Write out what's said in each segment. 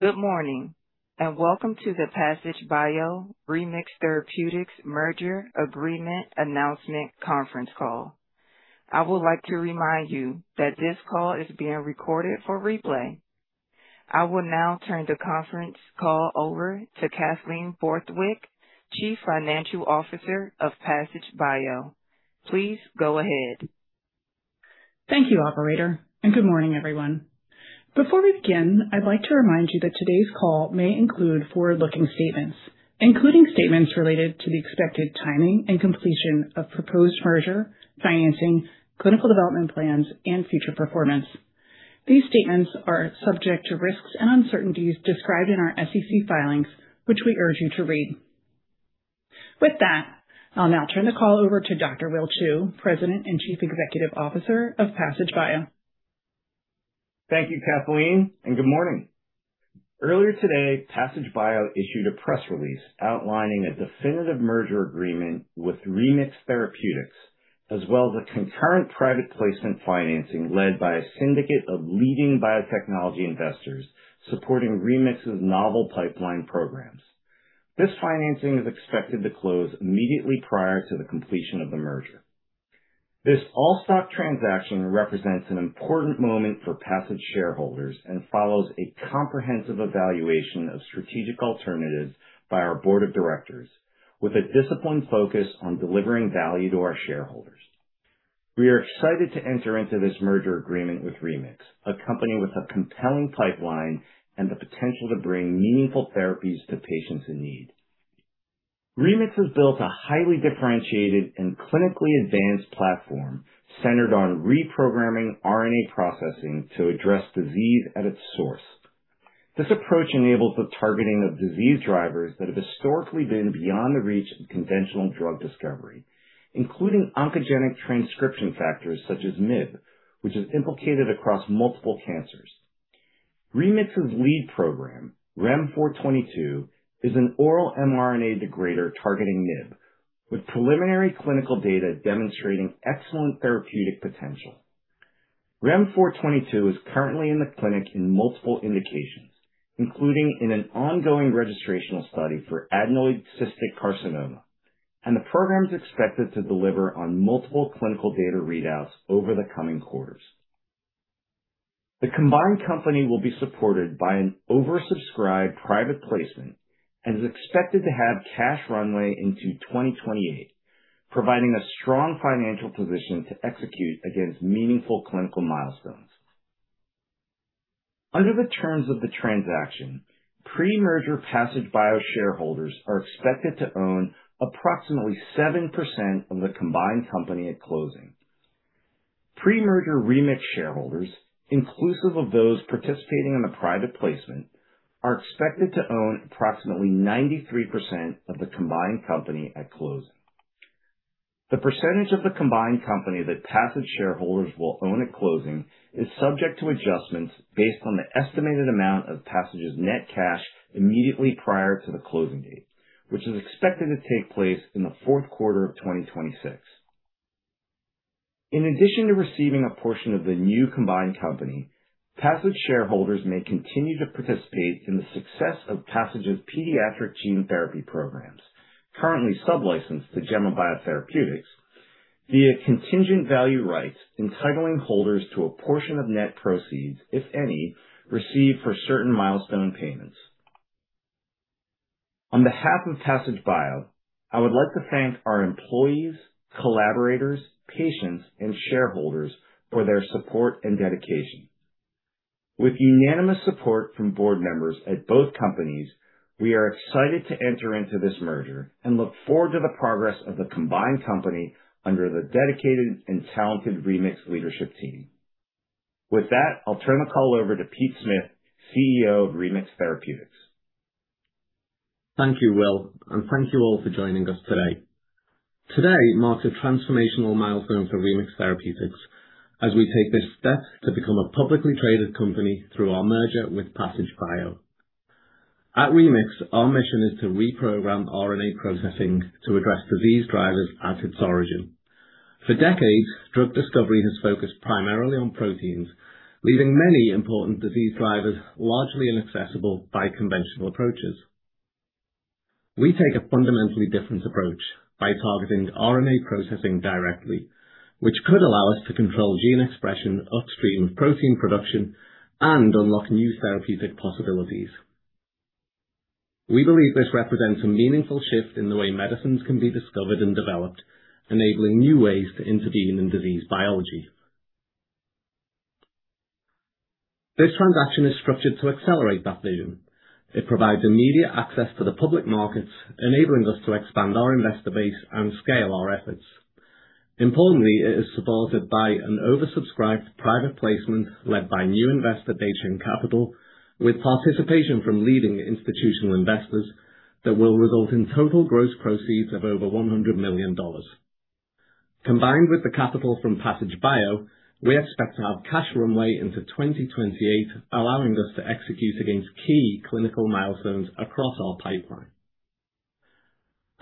Good morning. Welcome to the Passage Bio Remix Therapeutics merger agreement announcement conference call. I would like to remind you that this call is being recorded for replay. I will now turn the conference call over to Kathleen Borthwick, Chief Financial Officer of Passage Bio. Please go ahead. Thank you, operator. Good morning, everyone. Before we begin, I'd like to remind you that today's call may include forward-looking statements, including statements related to the expected timing and completion of proposed merger, financing, clinical development plans, and future performance. These statements are subject to risks and uncertainties described in our SEC filings, which we urge you to read. With that, I'll now turn the call over to Dr. Will Chou, President and Chief Executive Officer of Passage Bio. Thank you, Kathleen. Good morning. Earlier today, Passage Bio issued a press release outlining a definitive merger agreement with Remix Therapeutics, as well as a concurrent private placement financing led by a syndicate of leading biotechnology investors supporting Remix's novel pipeline programs. This financing is expected to close immediately prior to the completion of the merger. This all-stock transaction represents an important moment for Passage shareholders and follows a comprehensive evaluation of strategic alternatives by our board of directors with a disciplined focus on delivering value to our shareholders. We are excited to enter into this merger agreement with Remix, a company with a compelling pipeline and the potential to bring meaningful therapies to patients in need. Remix has built a highly differentiated and clinically advanced platform centered on reprogramming RNA processing to address disease at its source. This approach enables the targeting of disease drivers that have historically been beyond the reach of conventional drug discovery, including oncogenic transcription factors such as MYB, which is implicated across multiple cancers. Remix's lead program, REM-422, is an oral mRNA degrader targeting MYB with preliminary clinical data demonstrating excellent therapeutic potential. REM-422 is currently in the clinic in multiple indications, including in an ongoing registrational study for adenoid cystic carcinoma, and the program is expected to deliver on multiple clinical data readouts over the coming quarters. The combined company will be supported by an oversubscribed private placement and is expected to have cash runway into 2028, providing a strong financial position to execute against meaningful clinical milestones. Under the terms of the transaction, pre-merger Passage Bio shareholders are expected to own approximately 7% of the combined company at closing. Pre-merger Remix shareholders, inclusive of those participating in the private placement, are expected to own approximately 93% of the combined company at closing. The percentage of the combined company that Passage shareholders will own at closing is subject to adjustments based on the estimated amount of Passage's net cash immediately prior to the closing date, which is expected to take place in the fourth quarter of 2026. In addition to receiving a portion of the new combined company, Passage shareholders may continue to participate in the success of Passage's pediatric gene therapy programs, currently sub-licensed to GEMMA Biotherapeutics, via contingent value rights entitling holders to a portion of net proceeds, if any, received for certain milestone payments. On behalf of Passage Bio, I would like to thank our employees, collaborators, patients and shareholders for their support and dedication. With unanimous support from board members at both companies, we are excited to enter into this merger and look forward to the progress of the combined company under the dedicated and talented Remix leadership team. With that, I'll turn the call over to Pete Smith, CEO of Remix Therapeutics. Thank you, Will, and thank you all for joining us today. Today marks a transformational milestone for Remix Therapeutics as we take this step to become a publicly traded company through our merger with Passage Bio. At Remix, our mission is to reprogram RNA processing to address disease drivers at its origin. For decades, drug discovery has focused primarily on proteins, leaving many important disease drivers largely inaccessible by conventional approaches. We take a fundamentally different approach by targeting RNA processing directly, which could allow us to control gene expression upstream of protein production and unlock new therapeutic possibilities. We believe this represents a meaningful shift in the way medicines can be discovered and developed, enabling new ways to intervene in disease biology. This transaction is structured to accelerate that vision. It provides immediate access to the public markets, enabling us to expand our investor base and scale our efforts. Importantly, it is supported by an oversubscribed private placement led by new investor Decheng Capital, with participation from leading institutional investors that will result in total gross proceeds of over $100 million. Combined with the capital from Passage Bio, we expect to have cash runway into 2028, allowing us to execute against key clinical milestones across our pipeline.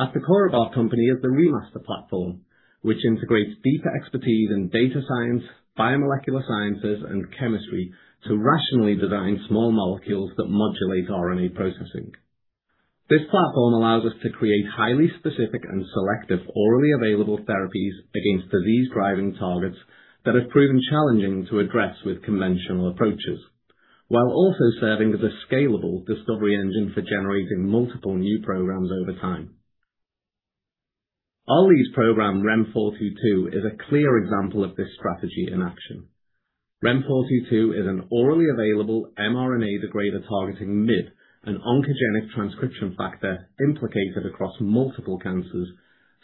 At the core of our company is the REMaster platform, which integrates deep expertise in data science, biomolecular sciences, and chemistry to rationally design small molecules that modulate RNA processing. This platform allows us to create highly specific and selective orally available therapies against disease-driving targets that have proven challenging to address with conventional approaches, while also serving as a scalable discovery engine for generating multiple new programs over time. Our lead program REM-422 is a clear example of this strategy in action. REM-422 is an orally available mRNA degrader targeting MYB, an oncogenic transcription factor implicated across multiple cancers,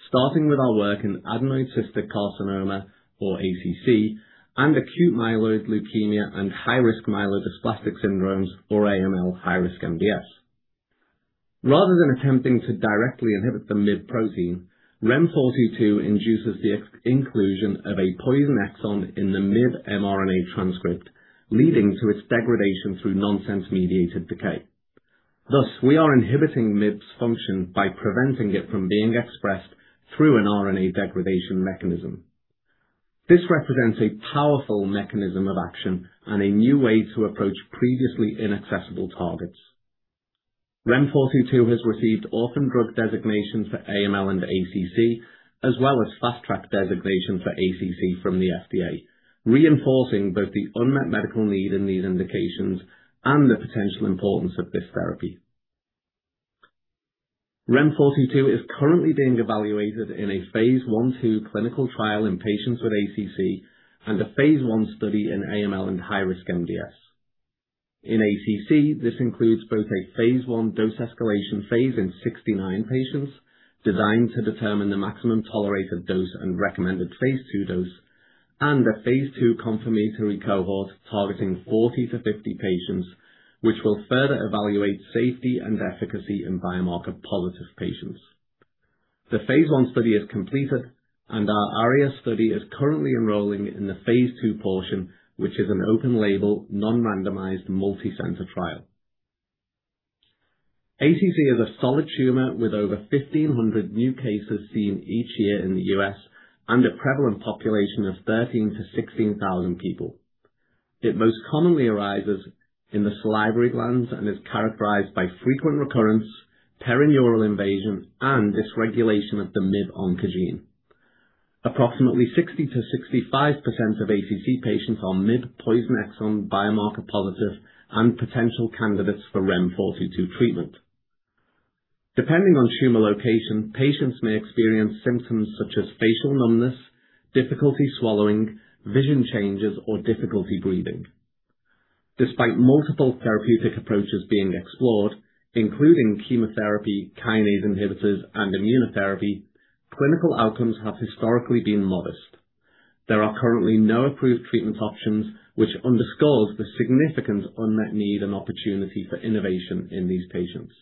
starting with our work in adenoid cystic carcinoma, or ACC, and acute myeloid leukemia and high-risk myelodysplastic syndromes, or AML/high-risk MDS. Rather than attempting to directly inhibit the MYB protein, REM-422 induces the inclusion of a poison exon in the MYB mRNA transcript, leading to its degradation through nonsense-mediated decay. Thus, we are inhibiting MYB's function by preventing it from being expressed through an RNA degradation mechanism. This represents a powerful mechanism of action and a new way to approach previously inaccessible targets. REM-422 has received Orphan Drug Designation for AML and ACC, as well as Fast Track designation for ACC from the FDA, reinforcing both the unmet medical need in these indications and the potential importance of this therapy. REM-422 is currently being evaluated in a phase I/II clinical trial in patients with ACC and a phase I study in AML and high-risk MDS. In ACC, this includes both a phase I dose escalation phase in 69 patients designed to determine the maximum tolerated dose and recommended phase II dose, and a phase II confirmatory cohort targeting 40-50 patients, which will further evaluate safety and efficacy in biomarker-positive patients. The phase I study is completed, and our ARIA study is currently enrolling in the phase II portion, which is an open label, non-randomized multicenter trial. ACC is a solid tumor with over 1,500 new cases seen each year in the U.S. and a prevalent population of 13,000-16,000 people. It most commonly arises in the salivary glands and is characterized by frequent recurrence, perineural invasion, and dysregulation of the MYB oncogene. Approximately 60%-65% of ACC patients are MYB poison exon biomarker positive and potential candidates for REM-422 treatment. Depending on tumor location, patients may experience symptoms such as facial numbness, difficulty swallowing, vision changes, or difficulty breathing. Despite multiple therapeutic approaches being explored, including chemotherapy, kinase inhibitors, and immunotherapy, clinical outcomes have historically been modest. There are currently no approved treatment options, which underscores the significant unmet need and opportunity for innovation in these patients.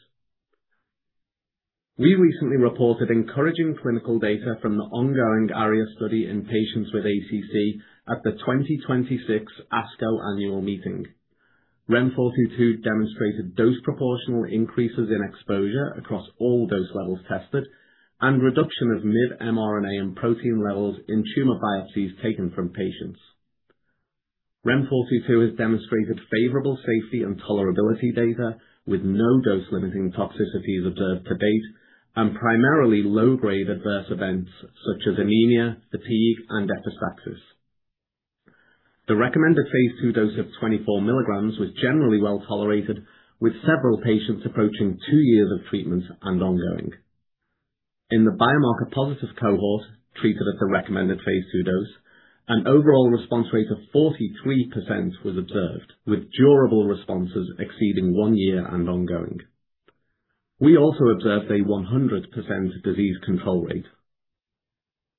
We recently reported encouraging clinical data from the ongoing ARIA study in patients with ACC at the 2026 ASCO annual meeting. REM-422 demonstrated dose proportional increases in exposure across all dose levels tested and reduction of MYB mRNA and protein levels in tumor biopsies taken from patients. REM-422 has demonstrated favorable safety and tolerability data with no dose-limiting toxicities observed to date and primarily low-grade adverse events such as anemia, fatigue, and epistaxis. The recommended phase II dose of 24 milligrams was generally well tolerated, with several patients approaching two years of treatment and ongoing. In the biomarker-positive cohort treated at the recommended phase II dose. An overall response rate of 43% was observed, with durable responses exceeding one year and ongoing. We also observed a 100% disease control rate.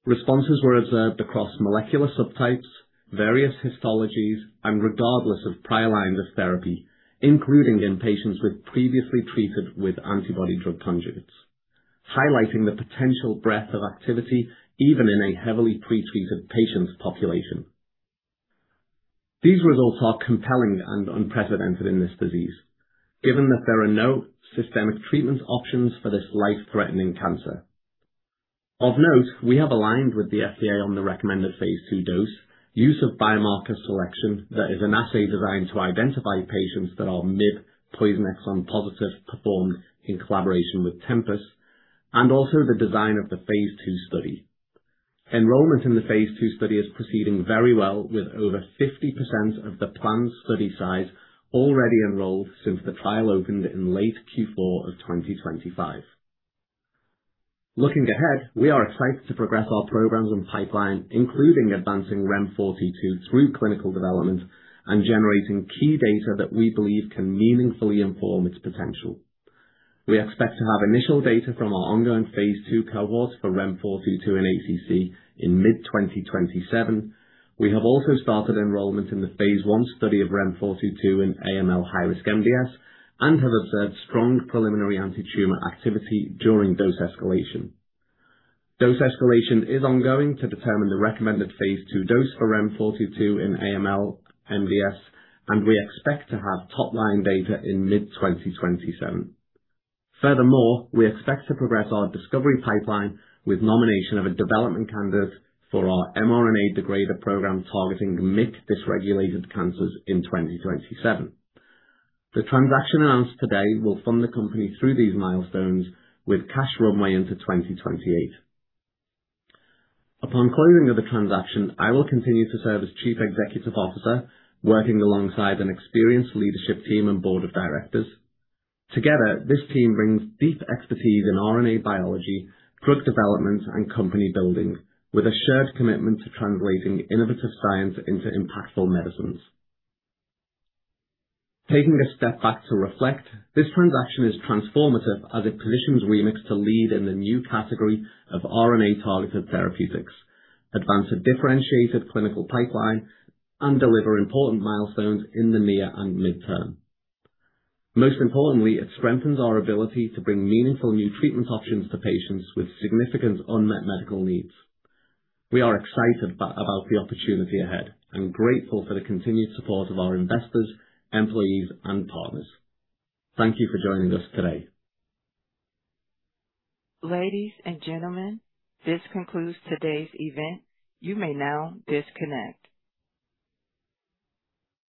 Responses were observed across molecular subtypes, various histologies, and regardless of prior lines of therapy, including in patients previously treated with antibody-drug conjugates, highlighting the potential breadth of activity even in a heavily pretreated patients population. These results are compelling and unprecedented in this disease, given that there are no systemic treatment options for this life-threatening cancer. Of note, we have aligned with the FDA on the recommended phase II dose, use of biomarker selection that is an assay designed to identify patients that are MYB poison exon positive performed in collaboration with Tempus, and also the design of the phase II study. Enrollment in the phase II study is proceeding very well, with over 50% of the planned study size already enrolled since the trial opened in late Q4 of 2025. Looking ahead, we are excited to progress our programs and pipeline, including advancing REM-422 through clinical development and generating key data that we believe can meaningfully inform its potential. We expect to have initial data from our ongoing phase II cohorts for REM-422 and ACC in mid-2027. We have also started enrollment in the phase I study of REM-422 in AML high-risk MDS and have observed strong preliminary antitumor activity during dose escalation. Dose escalation is ongoing to determine the recommended phase II dose for REM-422 in AML MDS, and we expect to have top-line data in mid-2027. Furthermore, we expect to progress our discovery pipeline with nomination of a development candidate for our mRNA degrader program targeting MYB-dysregulated cancers in 2027. The transaction announced today will fund the company through these milestones with cash runway into 2028. Upon closing of the transaction, I will continue to serve as Chief Executive Officer, working alongside an experienced leadership team and board of directors. Together, this team brings deep expertise in RNA biology, drug development, and company building with a shared commitment to translating innovative science into impactful medicines. Taking a step back to reflect, this transaction is transformative as it positions Remix to lead in the new category of RNA-targeted therapeutics, advance a differentiated clinical pipeline, and deliver important milestones in the near and mid-term. Most importantly, it strengthens our ability to bring meaningful new treatment options to patients with significant unmet medical needs. We are excited about the opportunity ahead and grateful for the continued support of our investors, employees, and partners. Thank you for joining us today. Ladies and gentlemen, this concludes today's event. You may now disconnect.